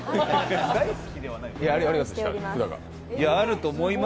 大好きではないですよ。